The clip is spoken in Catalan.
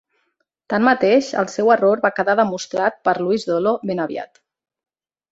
Tanmateix, el seu error va quedar demostrat per Louis Dollo ben aviat.